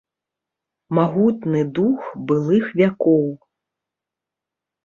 Магутны дух былых вякоў.